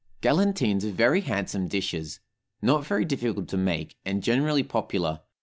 Galantines are very handsome dishes, not very difficult to make, and generally popular.